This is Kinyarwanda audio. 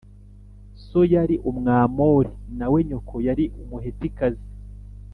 So yari Umwamori na we nyoko yari Umuhetikazi